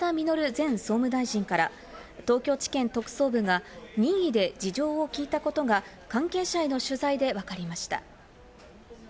前総務大臣から東京地検特捜部が任意で事情を聞いたことが関係者への取材でわかりました。